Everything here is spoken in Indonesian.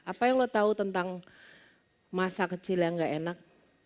apa yang lo tahu tentang masa kecil yang gak enak